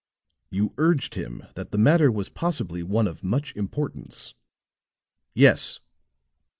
"You urged him that the matter was possibly one of much importance?" "Yes."